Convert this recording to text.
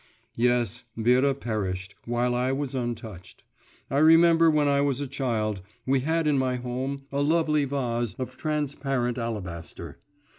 Yes, Vera perished, while I was untouched. I remember, when I was a child, we had in my home a lovely vase of transparent alabaster.